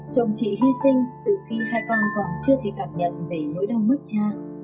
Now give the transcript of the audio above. chồng chị hy sinh từ khi hai con còn chưa thể cảm nhận về nỗi đau mất cha